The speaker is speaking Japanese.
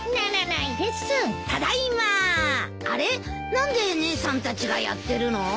何で姉さんたちがやってるの？